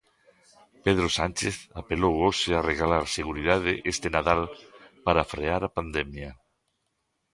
Pedro Sánchez apelou hoxe a regalar seguridade este Nadal para frear a pandemia.